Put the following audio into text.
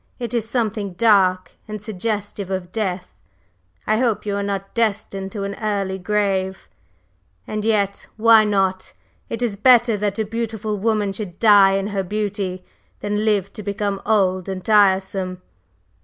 It is something dark and suggestive of death; I hope you are not destined to an early grave! And yet, why not? It is better that a beautiful woman should die in her beauty than live to become old and tiresome.